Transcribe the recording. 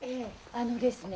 あのですね